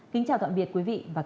kính chào tạm biệt quý vị và các bạn